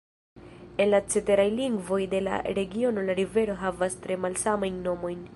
En la ceteraj lingvoj de la regiono la rivero havas tre malsamajn nomojn.